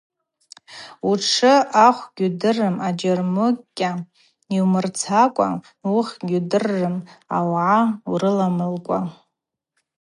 Утшы ахв гьудыррым аджьармыкӏьа йумырцакӏва, уыхв гьудыррым аугӏа урыламылкӏва.